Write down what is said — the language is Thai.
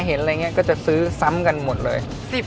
เห็นอะไรอย่างนี้ก็จะซื้อซ้ำกันหมดเลย